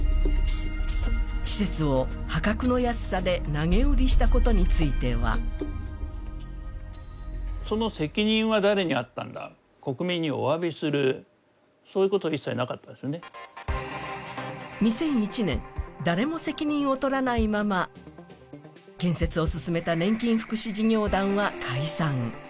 施設を破格の安さで投げ売りしたことについては２００１年、誰も責任を取らないまま建設を進めた年金福祉事業団は解散。